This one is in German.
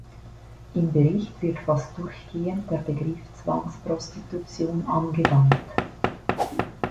Im Bericht wird fast durchgehend der Begriff Zwangsprostitution angewandt.